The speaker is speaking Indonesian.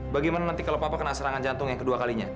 bagaimana nanti kalau papa kena serangan jantung yang kedua kalinya